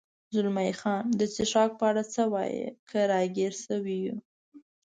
زلمی خان: د څښاک په اړه څه وایې؟ که را ګیر شوي یو.